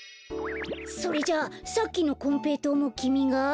それじゃあさっきのこんぺいとうもきみが？